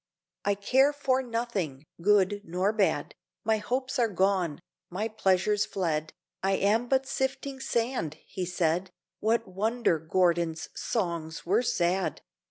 'I care for nothing, good nor bad, My hopes are gone, my pleasures fled, I am but sifting sand,' he said: What wonder Gordon's songs were sad!